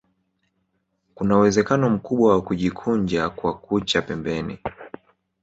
Kuna uwezekano mkubwa wa kujikunja kwa kucha pembeni